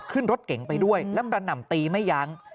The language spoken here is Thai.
ขึ้นรถเก๋งไปด้วยแล้วกระหน่ำตีไม่ยั้ง